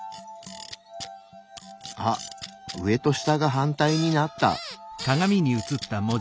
あっ上と下が反対になった。